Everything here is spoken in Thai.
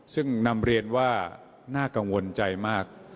ซึ่งนำเรียนว่าน่ากังวลใจมาก